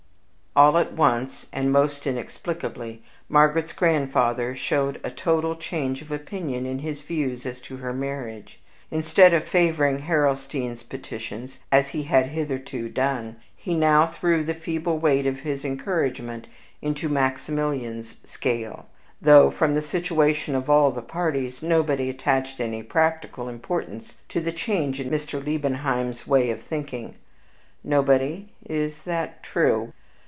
All at once, and most inexplicably, Margaret's grandfather showed a total change of opinion in his views as to her marriage. Instead of favoring Harrelstein's pretensions, as he had hitherto done, he now threw the feeble weight of his encouragement into Maximilian's scale; though, from the situation of all the parties, nobody attached any PRACTICAL importance to the change in Mr. Liebenheim's way of thinking. Nobody? Is that true?